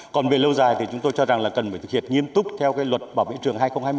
còn về lâu dài thì chúng tôi cho rằng là cần phải thực hiện nghiêm túc theo luật bảo vệ trường hai nghìn hai mươi